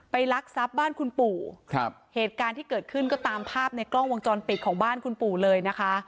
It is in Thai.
ลักทรัพย์บ้านคุณปู่ครับเหตุการณ์ที่เกิดขึ้นก็ตามภาพในกล้องวงจรปิดของบ้านคุณปู่เลยนะคะ